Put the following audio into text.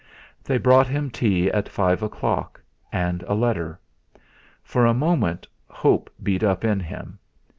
They brought him tea at five o'clock, and a letter. For a moment hope beat up in him.